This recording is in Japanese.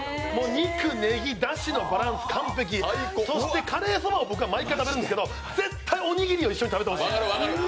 肉、ねぎ、だしのバランス完璧そしてカレーそばも毎回食べるんですけど、絶対、おにぎりを一緒に食べてほしい。